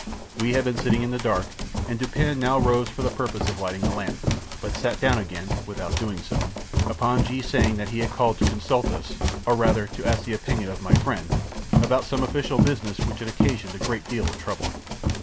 We had been sitting in the dark, and Dupin now arose for the purpose of lighting a lamp, but sat down again, without doing so, upon G 's saying that he had called to consult us, or rather to ask the opinion of my friend, about some official business which had occasioned a great deal of trouble.